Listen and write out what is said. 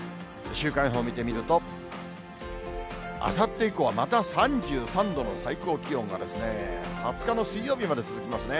週間予報を見てみると、あさって以降はまた３３度の最高気温がですね、２０日の水曜日まで続きますね。